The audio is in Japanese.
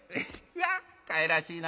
わっかわいらしいな。